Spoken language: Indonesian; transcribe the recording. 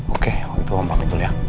oke om itu om pamit dulu ya